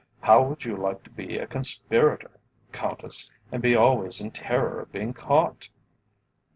How would you like to be a conspirator, Countess, and be always in terror of being caught?"